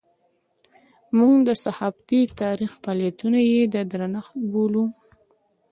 موږ د صحافتي تاریخ فعالیتونه یې د درنښت بولو.